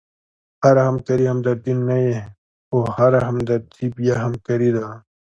هره همکاري همدردي نه يي؛ خو هره همدردي بیا همکاري ده.